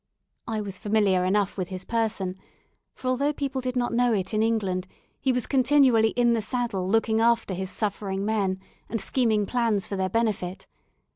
I was familiar enough with his person; for, although people did not know it in England, he was continually in the saddle looking after his suffering men, and scheming plans for their benefit.